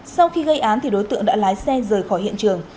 sau khi gây án đối tượng đã lái xe rời khỏi hiện trường